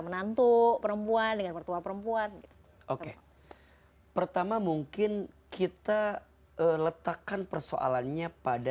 menantu perempuan dengan mertua perempuan gitu oke pertama mungkin kita letakkan persoalannya pada